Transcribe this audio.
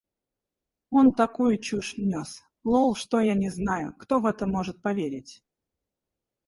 Он такую чушь нёс, лол, что я не знаю, кто в это может поверить.